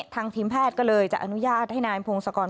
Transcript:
ทางทีมแพทย์ก็เลยจะอนุญาตให้นายพงศกร